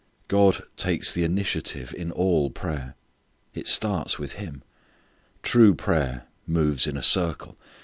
God takes the initiative in all prayer. It starts with Him. True prayer moves in a circle.